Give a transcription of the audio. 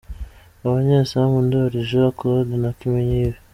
Abanyezamu: Ndoli Jean Claude na Kimenyi Yves.